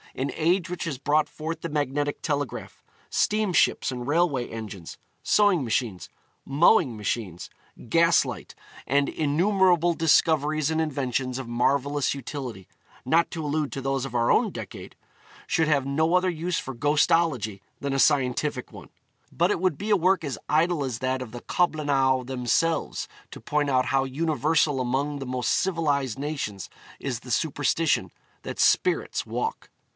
An age which has brought forth the magnetic telegraph, steamships and railway engines, sewing machines, mowing machines, gas light, and innumerable discoveries and inventions of marvellous utility not to allude to those of our own decade should have no other use for ghostology than a scientific one. But it would be a work as idle as that of the Coblynau themselves, to point out how universal among the most civilised nations is the superstition that spirits walk.